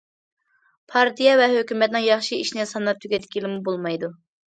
پارتىيە ۋە ھۆكۈمەتنىڭ ياخشى ئىشىنى ساناپ تۈگەتكىلىمۇ بولمايدۇ.